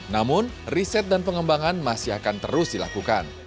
namun riset dan pengembangan masih akan terus dilakukan